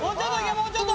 もうちょっと！